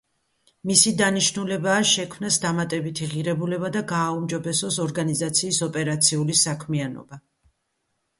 მისი დანიშნულებაა შექმნას დამატებითი ღირებულება და გააუმჯობესოს ორგანიზაციის ოპერაციული საქმიანობა.